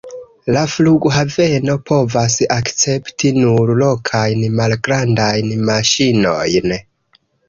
La flughaveno povas akcepti nur lokajn malgrandajn maŝinojn.